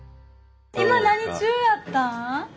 今何中やったん？